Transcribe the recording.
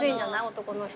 男の人。